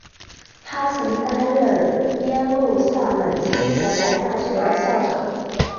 他曾担任耶路撒冷希伯来大学的校长。